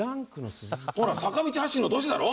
ほら坂道発進のトシだろ？